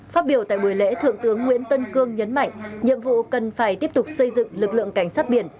phát biểu tại buổi lễ thượng tướng nguyễn tân cương nhấn mạnh nhiệm vụ cần phải tiếp tục xây dựng lực lượng cảnh sát biển